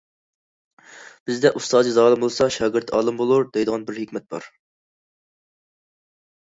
بىزدە‹‹ ئۇستازى زالىم بولسا، شاگىرتى ئالىم بولۇر›› دەيدىغان بىر ھېكمەت بار.